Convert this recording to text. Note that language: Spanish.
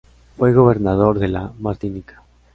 Fue gobernador de la Martinica.